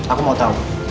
aku mau tau